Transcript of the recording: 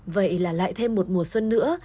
vậy là lại thêm một mùa xuân nữa